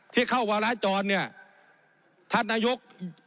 ที่เข้าวาระจรเนี่ยท่านนายก